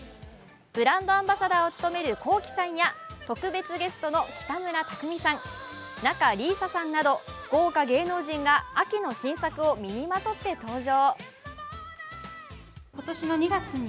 ブランドアンバサダーを務めるＫｏｋｉ，さんや特別ゲストの北村匠海さん、仲里依紗さんなど豪華芸能人が秋の新作を身にまとって登場。